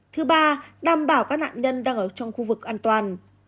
thứ ba đảm bảo các nạn nhân đang ở trong khu vực an toàn